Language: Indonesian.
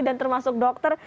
dan termasuk dokter